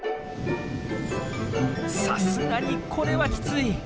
さすがにこれはキツイ！